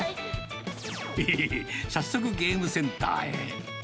早速、ゲームセンターへ。